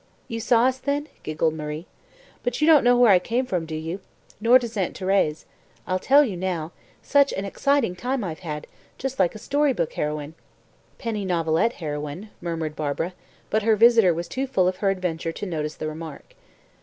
"You saw us, then?" giggled Marie. "But you don't know where I came from, do you? Nor does Aunt Thérèse. I'll tell you now; such an exciting time I've had just like a story book heroine." "Penny novelette heroine," murmured Barbara, but her visitor was too full of her adventure to notice the remark.